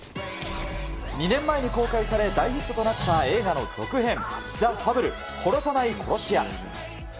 ２年前に公開され、大ヒットとなった映画の続編、ザ・ファブル殺さない殺し屋。